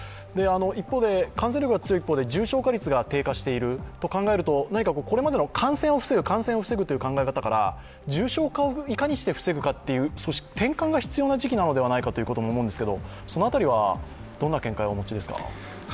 一方で、感染力が強い一方で重症率が低下している何かこれまでの感染を防ぐという考え方から重症化をいかにして防ぐかという転換が必要な時期ではないかと思うんですけれども、その辺りはどんな見解をお持ちですか？